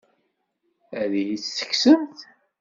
Ad iyi-t-tekksemt?